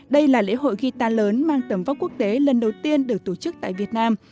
đây là lễ hội guitar lớn mang tầm vóc quốc tế lần đầu tiên được tổ chức tại việt nam